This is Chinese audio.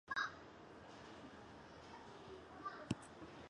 原产于墨西哥克雷塔罗郊区的半沙漠地区。